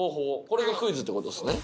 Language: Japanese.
これがクイズって事ですね。